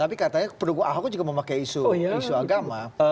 tapi pendukung ahok juga memakai isu isu agama